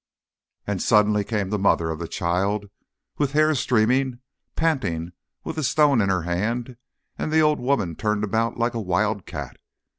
And suddenly came the mother of the child, with hair streaming, panting, and with a stone in her hand, and the old woman turned about like a wild cat.